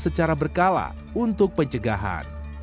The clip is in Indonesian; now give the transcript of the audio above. secara berkala untuk pencegahan